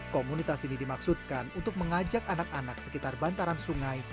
komunitas ini dimaksudkan untuk mengajak anak anak sekitar bantaran sungai